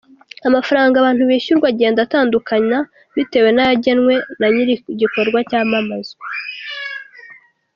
Amafaranga abantu bishyurwa agenda atandukana bitewe n’ayagenwe na nyiri gikorwa cyamamazwa.